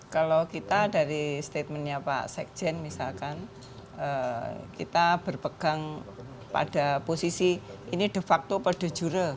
kalau kita dari statementnya pak sekjen misalkan kita berpegang pada posisi ini de facto per de jure